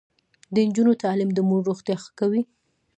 د نجونو تعلیم د مور روغتیا ښه کوي.